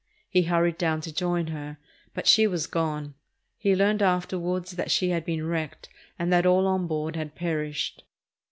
He hurried down to join her, but she was gone. He learned afterward that she had been wrecked and that all on board had perished.